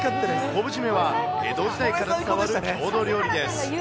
昆布締めは江戸時代から伝わる郷土料理です。